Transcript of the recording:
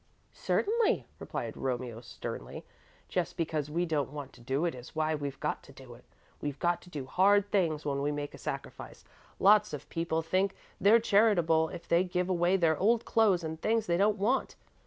"Certainly," replied Romeo, sternly. "Just because we don't want to do it is why we've got to. We've got to do hard things when we make a sacrifice. Lots of people think they're charitable if they give away their old clothes and things they don't want.